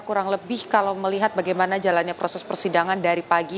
kurang lebih kalau melihat bagaimana jalannya proses persidangan dari pagi